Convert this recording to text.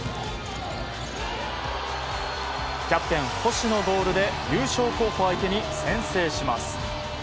キャプテン、星のゴールで優勝候補相手に先制します。